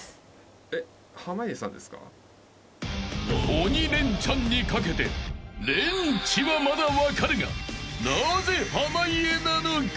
［『鬼レンチャン』にかけてレンチはまだ分かるがなぜ濱家なのか？］